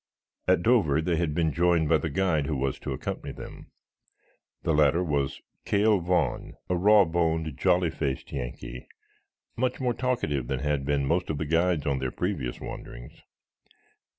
At Dover they had been joined by the guide who was to accompany them. The latter was Cale Vaughn, a raw boned, jolly faced Yankee, much more talkative than had been most of the guides on their previous wanderings.